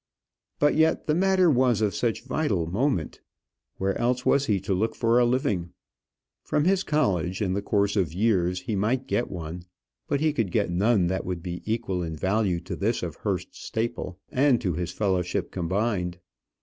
But yet the matter was of such vital moment. Where else was he to look for a living? From his college in the course of years he might get one; but he could get none that would be equal in value to this of Hurst Staple, and to his fellowship combined.